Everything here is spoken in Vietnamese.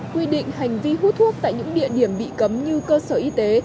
quy định hành vi hút thuốc tại những địa điểm bị cấm như cơ sở y tế